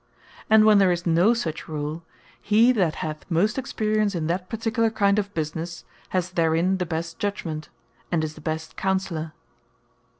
And when there is no such Rule, he that hath most experience in that particular kind of businesse, has therein the best Judgement, and is the best Counsellour.